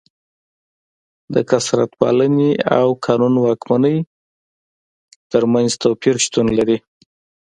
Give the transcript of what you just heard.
د کثرت پالنې او قانون واکمنۍ ترمنځ توپیر شتون لري.